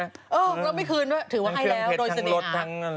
แล้วไม่คืนด้วยถือว่าให้แล้วโดยเสน่หา